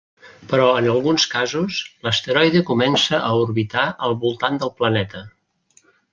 Però en alguns casos, l'asteroide comença a orbitar al voltant del planeta.